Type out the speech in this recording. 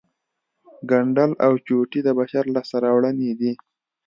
ګنډل او چوټې د بشر لاسته راوړنې دي